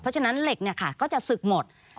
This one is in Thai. เพราะฉะนั้นเหล็กก็จะศึกหมด